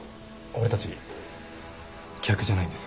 俺たち客じゃないんです。